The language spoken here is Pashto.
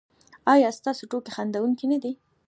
ایا ستاسو ټوکې خندونکې نه دي؟